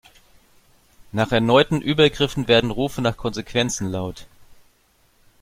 Nach erneuten Übergriffen werden Rufe nach Konsequenzen laut.